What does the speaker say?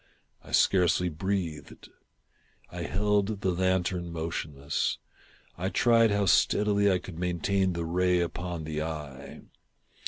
I scarcely breathed. I held the lantern motionless. I tried how steadily I could maintain the ray upon the eye.